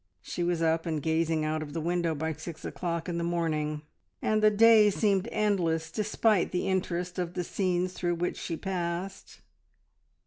She was up and gazing out of the window by six o'clock in the morning, and the day seemed endless despite the interest of the scenes through which she passed.